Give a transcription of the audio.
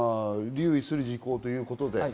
留意する事項ということです